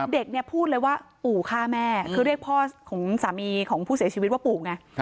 เด็กเนี่ยพูดเลยว่าปู่ฆ่าแม่คือเรียกพ่อของสามีของผู้เสียชีวิตว่าปู่ไง